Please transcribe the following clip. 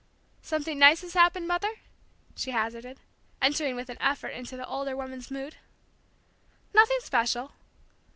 "Something nice has happened, Mother?" she hazarded, entering with an effort into the older woman's mood. "Nothing special."